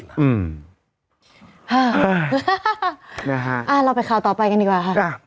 เราไปข่าวต่อไปกันดีกว่าครับ